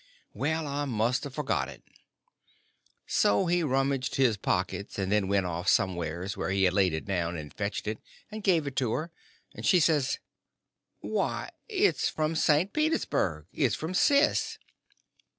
"Well, I must a forgot it." So he rummaged his pockets, and then went off somewheres where he had laid it down, and fetched it, and give it to her. She says: "Why, it's from St. Petersburg—it's from Sis."